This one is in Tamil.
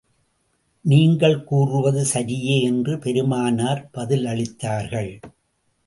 நீங்கள் கூறுவது சரியே என்று பெருமானார் பதிலளித்தார்கள்.